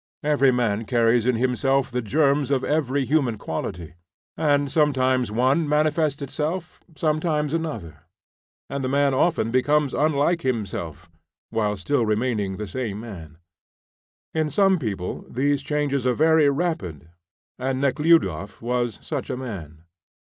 Every man carries in himself the germs of every human quality, and sometimes one manifests itself, sometimes another, and the man often becomes unlike himself, while still remaining the same man, In some people these changes are very rapid, and Nekhludoff was such a man.